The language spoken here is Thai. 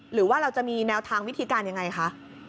หรือว่าเราจะมีแนวทางวิธีการยังไงคะ